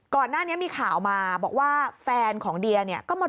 ก่อนหน้านี้มีข่าวมาบอกว่าแฟนของเดี๋ย